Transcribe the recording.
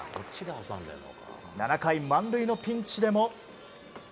７回、満塁のピンチでも。